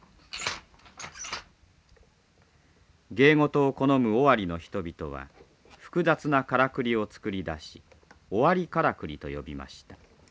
芸事を好む尾張の人々は複雑なからくりを作り出し尾張からくりと呼びました。